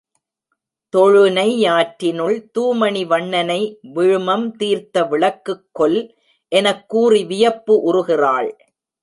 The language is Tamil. தொழுனை யாற்றினுள் தூமணி வண்ணனை விழுமம் தீர்த்த விளக்குக் கொல் எனக் கூறி வியப்பு உறுகிறாள்.